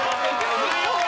強い！